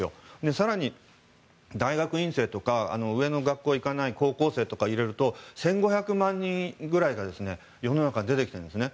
更に、大学院生とか上の学校に行かない高校生とかを入れると１５００万人ぐらいが世の中に出てきてるんですね。